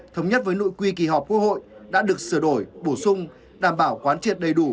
thống nhất với nội quy kỳ họp quốc hội đã được sửa đổi bổ sung đảm bảo quán triệt đầy đủ